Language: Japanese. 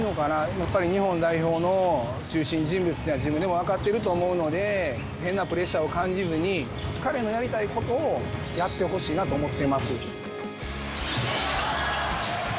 やっぱり日本代表の中心人物っていうのは自分でも分かってると思うので、変なプレッシャーを感じずに、彼のやりたいことをやってほしいなと思ってます。